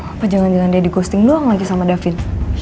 apa jangan jangan dia di ghosting doang lagi sama davin